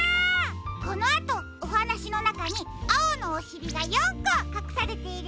このあとおはなしのなかにあおのおしりが４こかくされているよ。